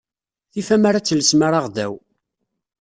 Tif amer ad telsem araɣdaw.